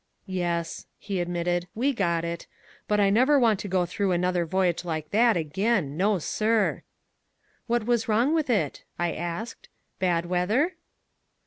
"Yes," he admitted, "we got it. But I never want to go through another voyage like that again, no sir!" "What was wrong with it?" I asked, "bad weather?"